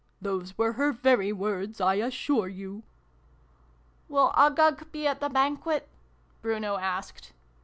. Those were her very words, I assure you !" "Will Uggug be at the Banquet?" Bruno asked.